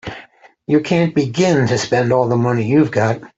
You can't begin to spend all the money you've got.